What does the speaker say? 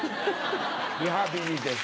リハビリです。